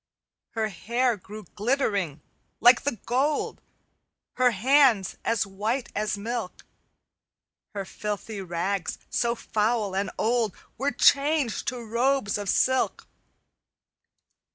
"Her hair grew glittering, like the gold, Her hands as white as milk; Her filthy rags, so foul and old, Were changed to robes of silk.